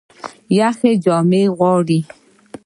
یخني جامې غواړي